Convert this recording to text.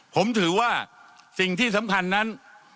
ผมถือว่าสิ่งที่สำคัญนั้น